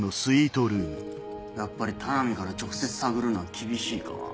やっぱり田波から直接探るのは厳しいか。